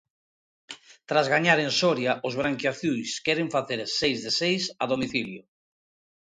Tras gañar en Soria, os branquiazuis queren facer seis de seis a domicilio.